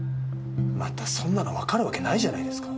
またそんなのわかるわけないじゃないですか。